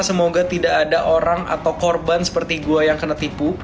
semoga tidak ada orang atau korban seperti gue yang kena tipu